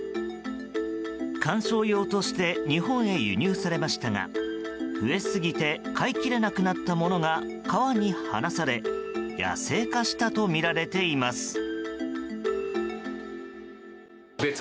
観賞用として日本へ輸入されましたが増えすぎて飼いきれなくなったものが川に放され野生化したとみられています。